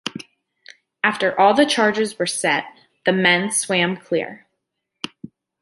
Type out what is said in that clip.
After all the charges were set, the men swam clear.